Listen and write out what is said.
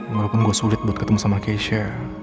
bila pun gue sulit buat ketemu sama keisha